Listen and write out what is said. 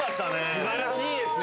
すばらしいですね。